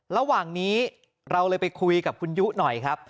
ระหว่างนี้เราเลยไปคุยกับคุณยุหน่อยครับ